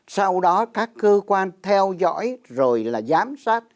sau đó các cơ quan theo dõi rồi là giám sát